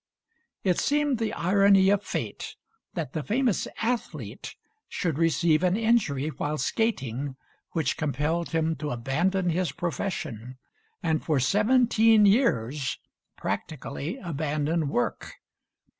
It seemed the irony of fate that the famous athlete should receive an injury while skating which compelled him to abandon his profession, and for seventeen years practically abandon work.